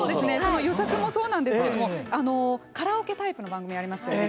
「与作」もそうなんですけれどカラオケタイプの番組ありましたよね。